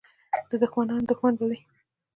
د دښمنانو دښمن به وي.